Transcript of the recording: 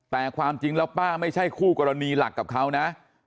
แต่ความจริงแล้วป้าไม่ใช่คู่กรณีหลักกับเขานะ